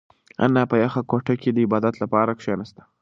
انا په یخه کوټه کې د عبادت لپاره کښېناسته.